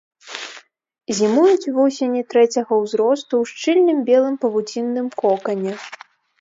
Зімуюць вусені трэцяга ўзросту ў шчыльным белым павуцінным кокане.